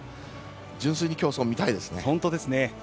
純粋に、競争を見たいですね。